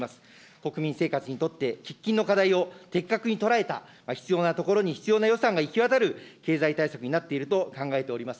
国民生活にとって、喫緊の課題を的確にとらえた必要なところに必要な予算が行き渡る経済対策になっていると考えております。